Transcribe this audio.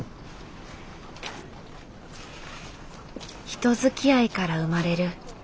人づきあいから生まれる小さな喜び。